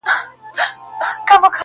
د ملالي تر جنډۍ به سره ټپه له کومه راوړو-